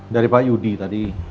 dari pak yudi tadi